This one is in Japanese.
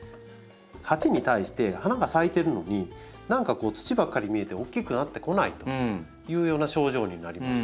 鉢に対して花が咲いてるのに何かこう土ばっかり見えて大きくなってこないというような症状になります。